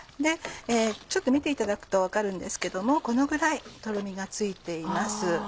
ちょっと見ていただくと分かるんですけどもこのぐらいとろみがついています。